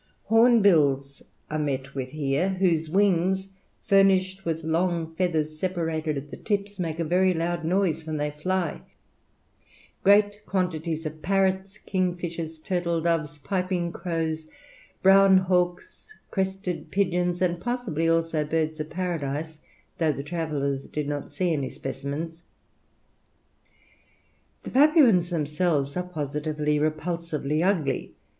Hornbills are here met with, whose wings, furnished with long feathers separated at the tips, make a very loud noise when they fly; great quantities of parrots, kingfishers, turtle doves, piping crows, brown hawks, crested pigeons, and possibly also birds of paradise, though the travellers did not see any specimens. The Papuans themselves are positively repulsively ugly.